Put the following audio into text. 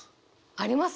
あります！